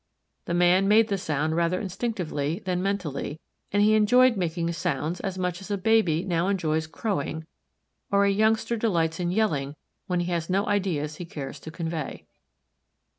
The man made the sound rather instinctively than mentally and he enjoyed making sounds as much as a baby now enjoys crowing or a youngster delights in yelling when he has no ideas he cares to convey.